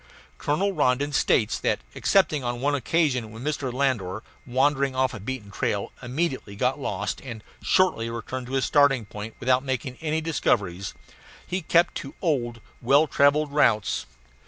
Colonel Rondon states that excepting on one occasion, when Mr. Landor, wandering off a beaten trail, immediately got lost and shortly returned to his starting point without making any discoveries he kept to old, well travelled routes.